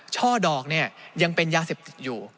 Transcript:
ช่อดอกเนี่ยยังเป็นยาเสพติดอยู่